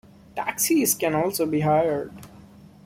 Taxis can also be hired.